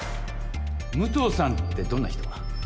武藤さんってどんな人？